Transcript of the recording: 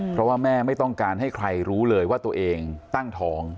เพราะว่าแม่ไม่ต้องการให้ใครรู้เลยว่าตัวเองตั้งท้อง